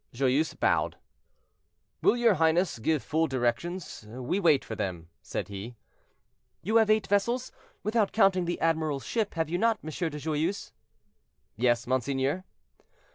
Joyeuse bowed. "Will your highness give full directions? we wait for them," said he. "You have eight vessels, without counting the admiral's ship, have you not, M. de Joyeuse?" "Yes, monseigneur."